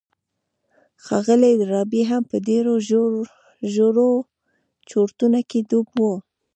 ښاغلی ډاربي هم په ډېرو ژورو چورتونو کې ډوب و.